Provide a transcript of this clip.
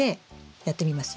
やってみますよ。